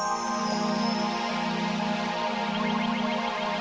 please australia terima kasih banyak lah